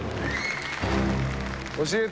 「教えて！